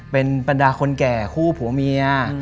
เป็นบรรดาคนแก่คู่ผัวเมีย